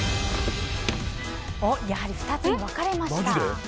やはり２つに分かれました。